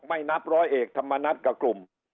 ไม่นับร้อยเอกธรรมนัฐกับกลุ่ม